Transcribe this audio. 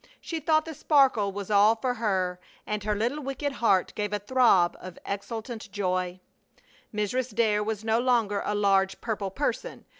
She thought the sparkle was all for her, and her little wicked heart gave a throb of exultant joy. Mrs. Dare was no longer a large, purple person.